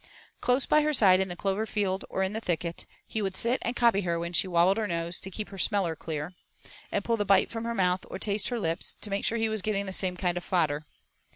Close by her side in the clover field or the thicket he would sit and copy her when she wobbled her nose 'to keep her smeller clear,' and pull the bite from her mouth or taste her lips to make sure he was getting the same kind of fodder.